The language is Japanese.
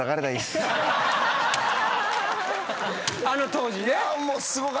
あの当時ね。